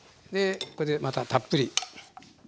でこれでまたたっぷり。